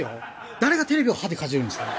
誰がテレビを歯でかじるんですか？